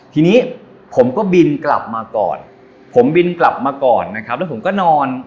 ทีนี้ผมก็บินกลับมาก่อนผมบินกลับมาก่อนนะครับแล้วผมก็นอน